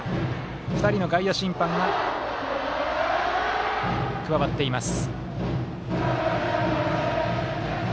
２人の外野審判が加わっています。